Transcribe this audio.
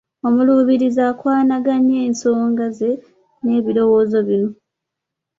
Omuluubirizi akwanaganye ensonga ze n’ebirowoozo bino